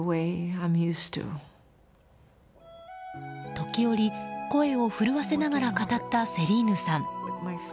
時折、声を震わせながら語ったセリーヌさん。